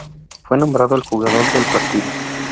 Fue nombrado el jugador del partido.